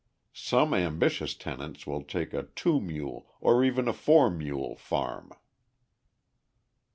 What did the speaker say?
Some ambitious tenants will take a two mule or even a four mule farm.